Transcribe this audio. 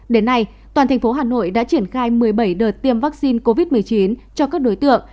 đến nay toàn thành phố hà nội đã triển khai một mươi bảy đợt tiêm vaccine covid một mươi chín cho các đối tượng